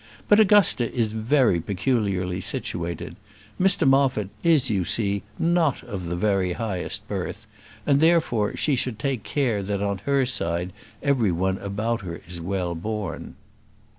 "But Augusta is very peculiarly situated. Mr Moffat is, you see, not of the very highest birth; and, therefore, she should take care that on her side every one about her is well born."